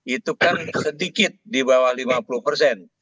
itu kan sedikit di bawah lima puluh persen